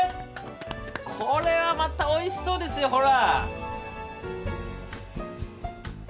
これはまたおいしそうですよほら！